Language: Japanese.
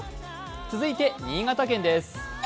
続いて新潟県です。